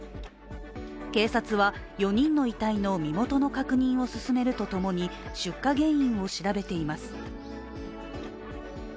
警察は４人の遺体の身元の確認を進めるとともに出火原因を調べています。